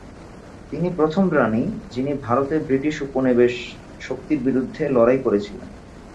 তিনি প্রথম রানী, যিনি ভারতে ব্রিটিশ উপনিবেশ শক্তির বিরুদ্ধে লড়াই করেছিলেন।